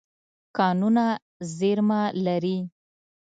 کانونه زیرمه لري.